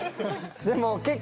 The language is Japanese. でも結構。